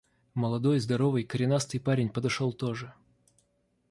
Молодой, здоровый, коренастый парень подошел тоже.